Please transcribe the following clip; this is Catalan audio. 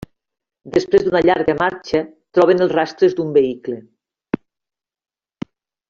Després d'una llarga marxa, troben els rastres d'un vehicle.